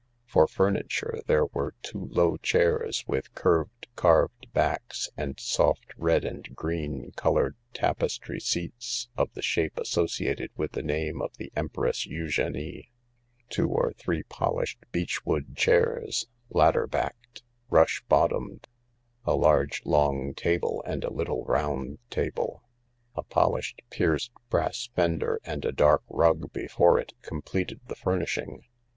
For furniture there were two low chairs with curved carved backs and soft red and green coloured tapestry seats of the shape associated with the name of the Empress Eugenie ■ two or three polished beechwood chairs, ladder backed' rush bottomed; a large long table and a little round table! A polished pierced brass fender and a dark rug before it completed the furnishing.